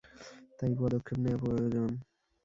তাই পদক্ষেপ নেয়া প্রয়োজন।